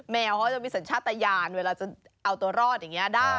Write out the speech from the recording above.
แมวเขาจะมีสัญชาติยานเวลาจะเอาตัวรอดอย่างนี้ได้